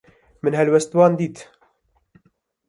Min helbestvan dît.